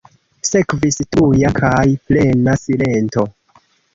Sekvis tuja kaj plena silento.